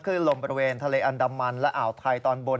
ลมบริเวณทะเลอันดามันและอ่าวไทยตอนบน